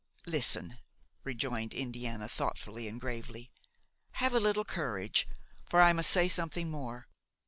"Listen!" rejoined Indiana, thoughtfully and gravely; "have a little courage, for I must say something more.